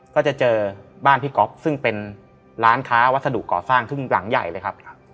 ก็จะเจอบ้านพี่ก๊อฟซึ่งเป็นร้านค้าวัสดุก่อสร้างครึ่งหลังใหญ่เลยครับ